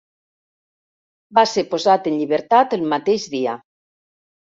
Va ser posat en llibertat el mateix dia.